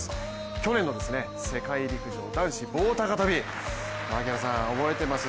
去年の世界陸上男子棒高跳び、槙原さん、覚えてます？